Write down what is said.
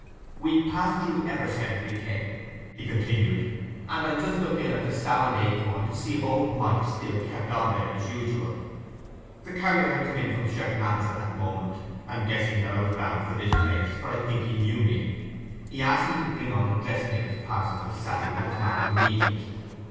'We passed through Evershead as we came,' he continued, 'and I just looked in at the "Sow and Acorn" to see if old Mike still kept on there as usual. The carrier had come in from Sherton Abbas at that moment, and guessing that I was bound for this place—for I think he knew me—he asked me to bring on a dressmaker's parcel for Sally that was marked "immediate."